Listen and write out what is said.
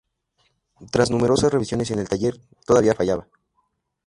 Tras numerosas revisiones en el taller, todavía fallaba.